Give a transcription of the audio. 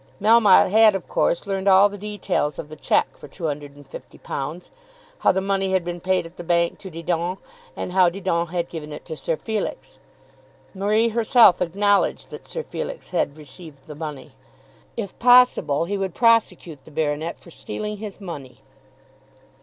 Melmotte had of course learned all the details of the cheque for £250, how the money had been paid at the bank to Didon, and how Didon had given it to Sir Felix. Marie herself acknowledged that Sir Felix had received the money. If possible he would prosecute the baronet for stealing his money.